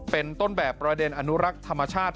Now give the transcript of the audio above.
เป็นต้นแบบประเด็นอนุรักษ์ธรรมชาติ